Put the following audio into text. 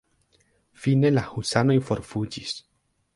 Fine la husanoj forfuĝis.